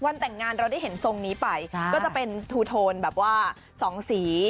แต่งงานเราได้เห็นทรงนี้ไปก็จะเป็นทูโทนแบบว่าสองสี